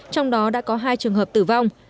trong đó đã có hai trường hợp tử vong